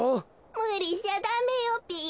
むりしちゃダメよべ。